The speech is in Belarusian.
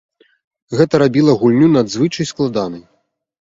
Гэта рабіла гульню надзвычай складанай.